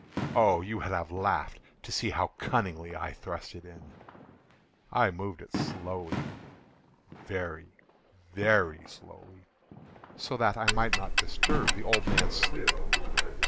Oh, you would have laughed to see how cunningly I thrust it in! I moved it slowly—very, very slowly, so that I might not disturb the old man's sleep.